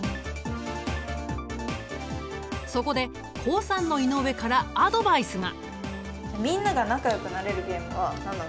そこで高３の井上からアドバイスが。